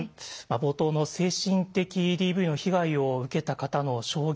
冒頭の精神的ＤＶの被害を受けた方の証言